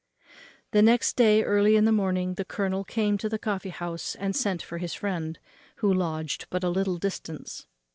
The next day, early in the morning, the colonel came to the coffee house and sent for his friend, who lodged but at a little distance.